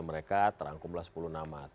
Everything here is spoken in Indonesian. mereka terangkumlah sepuluh nama